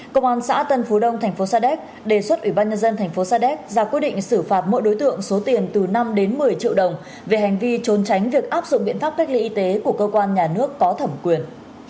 công an xã tân phú đông thành phố sa đéc đề xuất ủy ban nhân dân thành phố sa đéc ra quyết định xử phạt mỗi đối tượng số tiền từ năm đến một mươi triệu đồng về hành vi trốn tránh việc áp dụng biện pháp cách ly y tế của cơ quan nhà nước có thẩm quyền